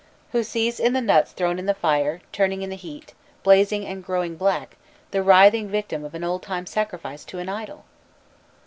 Who sees in the nuts thrown into the fire, turning in the heat, blazing and growing black, the writhing victim of an old time sacrifice to an idol?